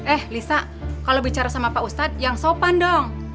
eh lisa kalau bicara sama pak ustadz yang sopan dong